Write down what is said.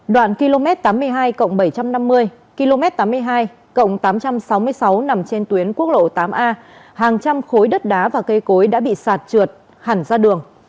đoạn km tám mươi hai bảy trăm năm mươi km tám mươi hai tám trăm sáu mươi sáu nằm trên tuyến quốc lộ tám a hàng trăm khối đất đá và cây cối đã bị sạt trượt hẳn ra đường